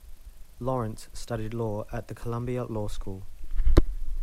Lawrence studied law at the Columbia Law School.